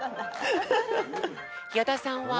矢田さんは？